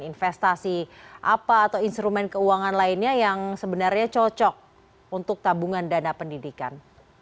investasi apa atau instrumen keuangan lainnya yang sebenarnya cocok untuk tabungan dana pendidikan